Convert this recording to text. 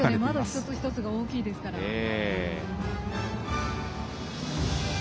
窓一つ一つが大きいですから。